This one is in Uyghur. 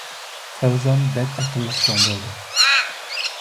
فەۋزان بەك ئەقىللىق چوڭ بولدى